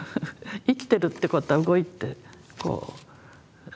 生きてるってことは動いてこう。